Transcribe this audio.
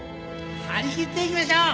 張りきっていきましょう！